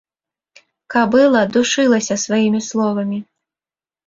Кабыла душылася сваімі словамі.